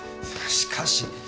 しかし。